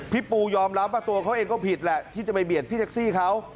พี่ปูยอมรับว่าตัวเขาเองก็ผิดแหละที่จะไปเบียดพี่แท็กซี่เขา